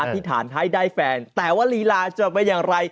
ธิษฐานให้ได้แฟนแต่ว่าลีลาจะเป็นอย่างไร